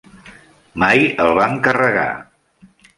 Mai el van carregar.